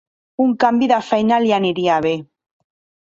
Un canvi de feina li aniria bé.